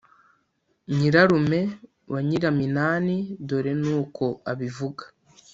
nyirarume wa nyiraminani dore nuko abivuga